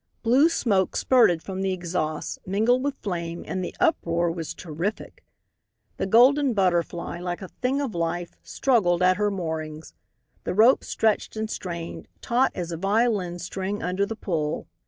Blue smoke spurted from the exhausts, mingled with flame, and the uproar was terrific. The Golden Butterfly, like a thing of life, struggled at her moorings. The rope stretched and strained, taut as a violin string, under the pull.